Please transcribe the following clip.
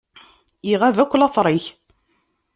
Iɣab akk later-ik.